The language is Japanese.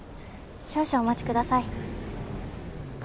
少々お待ちください。